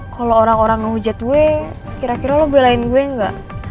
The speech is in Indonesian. kalau orang orang mau jetway kira kira lo belain gue gak